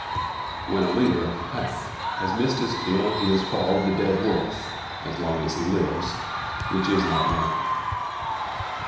When a leader of the Pack has missed his kill, he is called the Dead Wolf as long as he lives, which is not long.